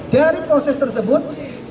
dari proses tersebut